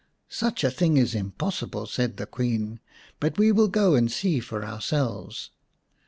" Such a thing is impossible," said the Queen, "but we will go and see for ourselves."